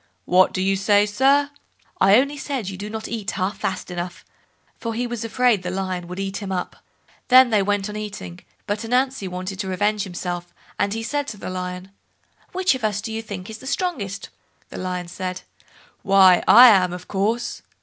"What do you say, sir?" "I only said you do not eat half fast enough", for he was afraid the Lion would eat him up. Then they went on eating, but Ananzi wanted to revenge himself, and he said to the Lion, "Which of us do you think is the strongest?" The Lion said, "Why, I am, of course."